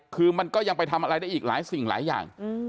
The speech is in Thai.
คือมันก็ยังไปทำอะไรได้อีกหลายสิ่งหลายอย่าง